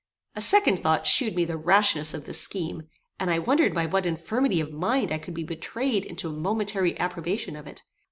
A second thought shewed me the rashness of this scheme, and I wondered by what infirmity of mind I could be betrayed into a momentary approbation of it.